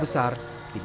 tidak ada batang